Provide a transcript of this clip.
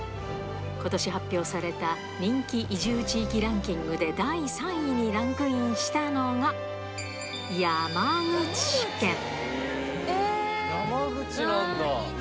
今年発表された人気移住地域ランキングで第３位にランクインしたのが山口なんだ！